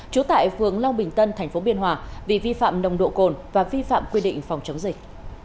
trú tại phường long bình tân tp biên hòa vì vi phạm nồng độ cồn và vi phạm quy định phòng chống dịch